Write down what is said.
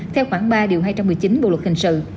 theo khoảng ba điều hai trăm một mươi chín bộ luật hình sự